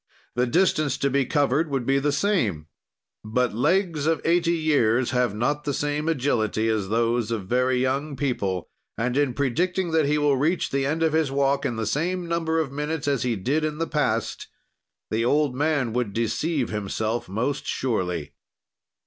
"The distance to be covered would be the same; but legs of eighty years have not the same agility as those of very young people, and in predicting that he will reach the end of his walk in the same number of minutes as he did in the past, the old man would deceive himself most surely.